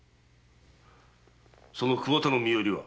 その桑田の身寄りは？